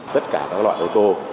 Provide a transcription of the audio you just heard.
tất cả các loại ô tô